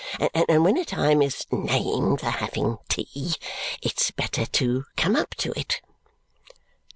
And when a time is named for having tea, it's better to come up to it."